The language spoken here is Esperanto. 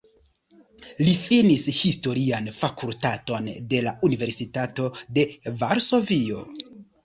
Li finis Historian Fakultaton de la Universitato de Varsovio.